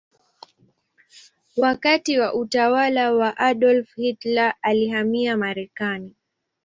Wakati wa utawala wa Adolf Hitler alihamia Marekani.